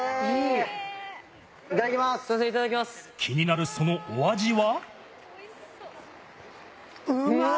気になる、そのお味は？